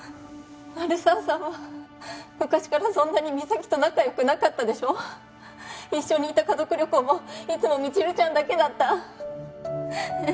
鳴沢さんは昔からそんなに実咲と仲良くなかったでしょ一緒に行った家族旅行もいつも未知留ちゃんだけだったねえ